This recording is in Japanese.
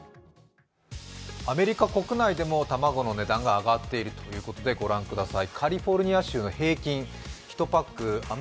アメリカ国内でも卵の値段が上がっているということで相当高いなという印象ですね。